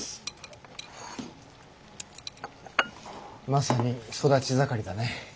まさに育ち盛りだね。